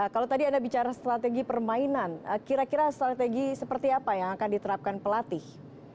kalau tadi anda bicara strategi permainan kira kira strategi seperti apa yang akan diterapkan pelatih